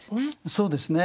そうですね。